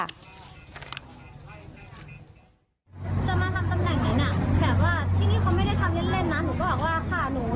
จะมาทำตำแหน่งไหนนะ